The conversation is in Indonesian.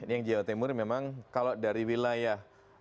yang jawa timur memang kalau dari wilayah